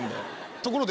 ところで。